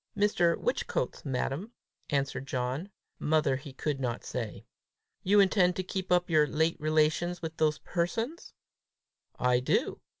"Mr. Whichcote's, madam," answered John: mother he could not say. "You intend to keep up your late relations with those persons?" "I do."